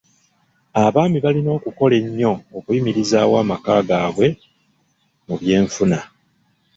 Abaami balina okukola ennyo okuyimirizaawo amaka gaabwe mu by'enfuna.